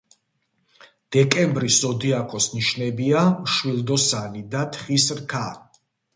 დეკემბრის ზოდიაქოს ნიშნებია მშვილდოსანი და თხის რქა.